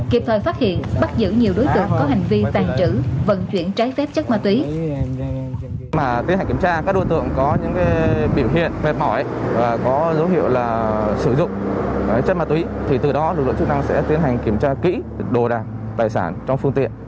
kịp thời phát hiện bắt giữ nhiều đối tượng có hành vi tàn trữ vận chuyển trái phép chất ma túy